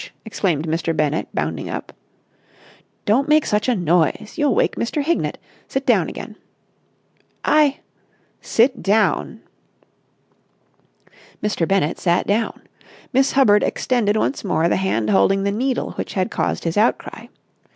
exclaimed Mr. Bennett, bounding up. "Don't make such a noise! You'll wake Mr. Hignett. Sit down again!" "I...." "Sit down!" Mr. Bennett sat down. Miss Hubbard extended once more the hand holding the needle which had caused his outcry.